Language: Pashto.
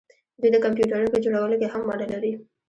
دوی د کمپیوټرونو په جوړولو کې هم ونډه لري.